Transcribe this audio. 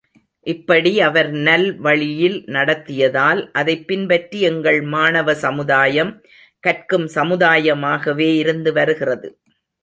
இப்படி அவர் நல்வழியில் நடத்தியதால், அதைப் பின்பற்றி எங்கள் மாணவ சமுதாயம் கற்கும் சமுதாயமாகவே இருந்து வருகிறது.